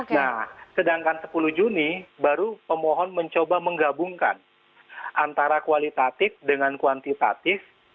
nah sedangkan sepuluh juni baru pemohon mencoba menggabungkan antara kualitatif dengan kuantitatif